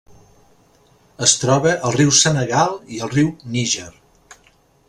Es troba al riu Senegal i al riu Níger.